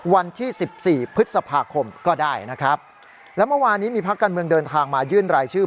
วันที่สิบสี่พฤษภาคมก็ได้นะครับแล้วเมื่อวานนี้มีพักการเมืองเดินทางมายื่นรายชื่อ